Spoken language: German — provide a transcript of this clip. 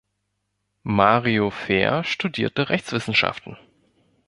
Mario Fehr studierte Rechtswissenschaften.